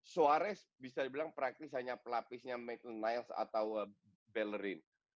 suarez bisa dibilang praktis hanya pelapisnya medan niles atau bellerin